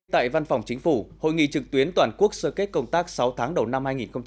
tại văn phòng chính phủ hội nghị trực tuyến toàn quốc sơ kết công tác sáu tháng đầu năm hai nghìn hai mươi